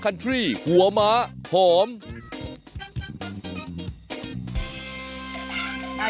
นี่แหละนะครับ